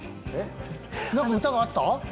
えっ何か歌があった？